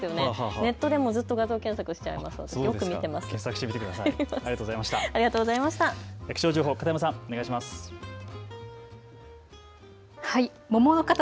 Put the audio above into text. ネットでもずっと画像検索しちゃいました。